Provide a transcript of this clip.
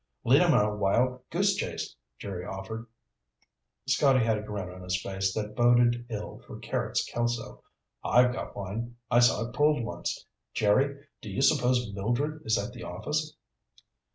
"Lead him on a wild goose chase," Jerry offered. Scotty had a grin on his face that boded ill for Carrots Kelso. "I've got one. I saw it pulled once. Jerry, do you suppose Mildred is at the office?"